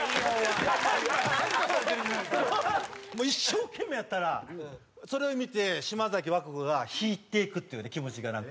もう一生懸命やったらそれを見て島崎和歌子が引いていくっていうね気持ちがなんか。